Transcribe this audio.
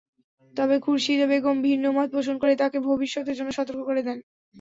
তবে খুরশীদা বেগম ভিন্নমত পোষণ করে তাঁকে ভবিষ্যতের জন্য সতর্ক করে দেন।